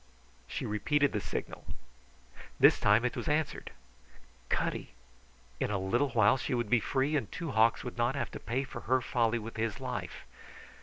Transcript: She repeated the signal. This time it was answered. Cutty! In a little while she would be free, and Two Hawks would not have to pay for her folly with his life.